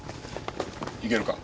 行けるか？